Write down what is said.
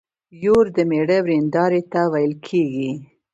يور د مېړه ويرنداري ته ويل کيږي.